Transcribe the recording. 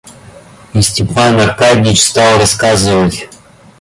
И Степан Аркадьич стал рассказывать.